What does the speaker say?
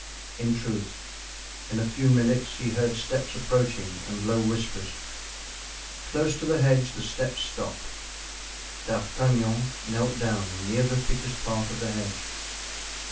In truth, in a few minutes he heard steps approaching and low whispers. Close to the hedge the steps stopped. D'Artagnan knelt down near the thickest part of the hedge.